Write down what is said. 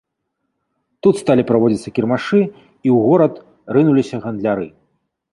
Тут сталі праводзіцца кірмашы, і ў горад рынуліся гандляры.